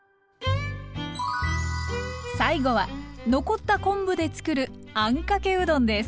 最後は残った昆布でつくるあんかけうどんです。